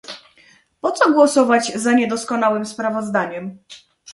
Po co głosować za niedoskonałym sprawozdaniem?